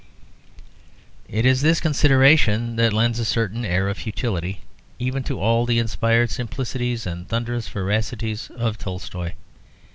It is this consideration that lends a certain air of futility even to all the inspired simplicities and thunderous veracities of Tolstoy.